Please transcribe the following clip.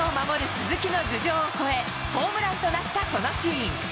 鈴木の頭上を越え、ホームランとなったこのシーン。